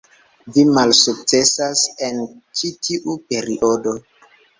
Vi malsukcesas en ĉi tiu periodo